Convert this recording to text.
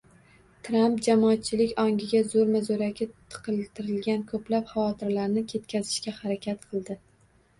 Tramp jamoatchilik ongiga zo‘rma-zo‘raki tiqishtirilgan ko‘plab xavotirlarni ketkazishga harakat qildi.